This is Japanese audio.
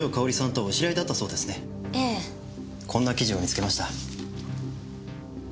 こんな記事を見つけました。